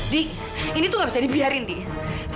dika ini tuh gak bisa dibiarin dika